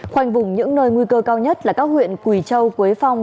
khoanh vùng những nơi nguy cơ cao nhất là các huyện quỳ châu quế phong